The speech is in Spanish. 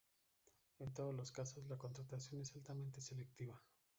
En todos los casos, la contratación es altamente selectiva.